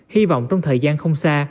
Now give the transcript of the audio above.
hy vọng trong thời gian không xa